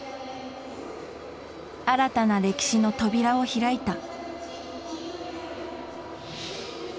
新たな歴史の扉を開いた。